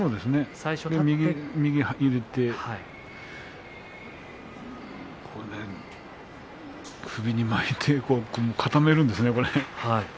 最初、右を入れて首に巻いて固めるんですね。